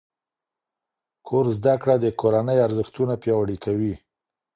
کور زده کړه د کورنۍ ارزښتونه پیاوړي کوي.